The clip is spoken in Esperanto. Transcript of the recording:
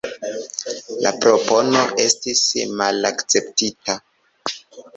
La propono estis malakceptita.